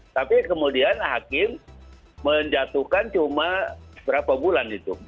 tapi kemudian hakim menjatuhkan cuma berapa bulan itu